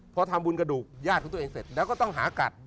เพราะทำบุญกระดูกแย้นของตัวเองเสร็จและก็ต้องหากัด